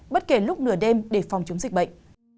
bất kể lúc nửa đêm để phòng chống dịch bệnh